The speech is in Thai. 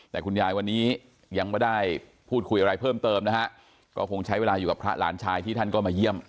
แต่คุณยายวันนี้ยังไม่ได้พูดคุยอะไรเพิ่มเติมนะฮะก็คงใช้เวลาอยู่กับพระหลานชายที่ท่านก็มาเยี่ยม